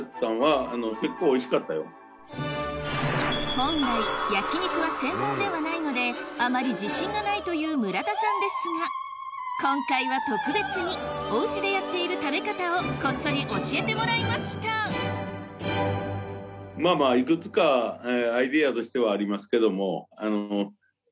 本来焼き肉は専門ではないのであまり自信がないという村田さんですが今回は特別におうちでやっている食べ方をこっそり教えてもらいましたまぁまぁいくつかアイデアとしてはありますけども。